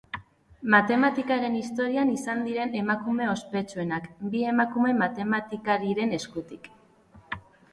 Matematikaren historian izan diren emakume ospetsuenak, bi emakume matematikariren eskutik.